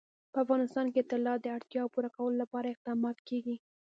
په افغانستان کې د طلا د اړتیاوو پوره کولو لپاره اقدامات کېږي.